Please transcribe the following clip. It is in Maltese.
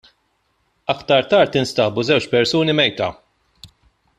Aktar tard instabu żewġ persuni mejta.